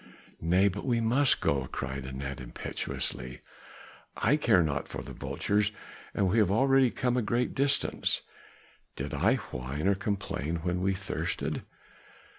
"Nay, but we must go!" cried Anat impetuously. "I care not for the vultures, and we have already come a great distance. Did I whine or complain when we thirsted?"